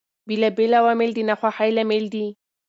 بېلابېل عوامل د ناخوښۍ لامل دي.